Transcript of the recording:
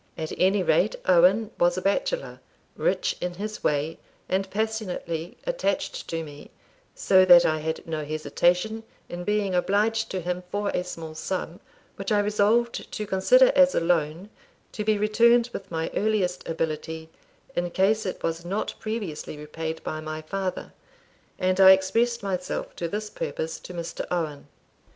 At any rate, Owen was a bachelor, rich in his way, and passionately attached to me, so that I had no hesitation in being obliged to him for a small sum, which I resolved to consider as a loan, to be returned with my earliest ability, in case it was not previously repaid by my father; and I expressed myself to this purpose to Mr. Owen.